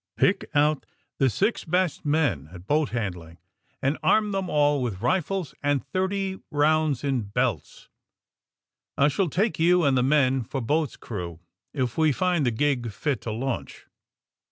Pick out the six best men at boat handling and arm them all with rifles and thirty rounds in belts. I shall take you and the men for boat's crew if we find the gig fit to launch."